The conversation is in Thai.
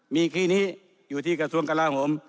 มีครีมนี้สร้ายอยู่ที่กระทรวงกระลาฮม